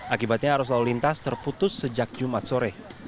akibatnya arus lalu lintas terputus sejak jumat sore